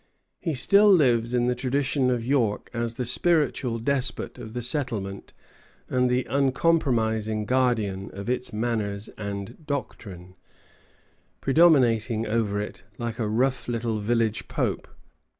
He still lives in the traditions of York as the spiritual despot of the settlement and the uncompromising guardian of its manners and doctrine, predominating over it like a rough little village pope.